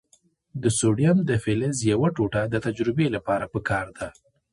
د سوډیم د فلز یوه ټوټه د تجربې لپاره پکار ده.